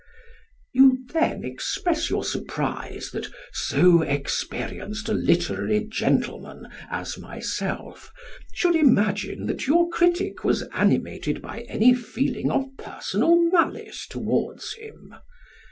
You then express your surprise that "so experienced a literary gentleman" as myself should imagine that your critic was animated by any feeling of personal malice towards him.